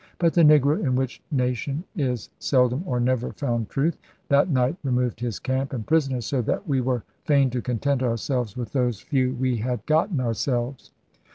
But the negro, in which nation is seldom or never found truth, that night removed his camp and prisoners, so that we were fain to content ourselves with those few we had gotten ourselves.